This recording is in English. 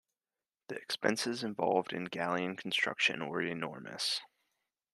The expenses involved in galleon construction were enormous.